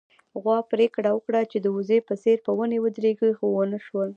غوا پرېکړه وکړه چې د وزې په څېر په ونې ودرېږي، خو ونه شول